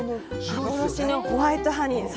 幻のホワイトハニー。